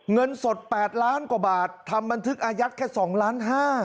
เงินสด๘ล้านกว่าบาททำบันทึกอายัดแค่๒ล้าน๕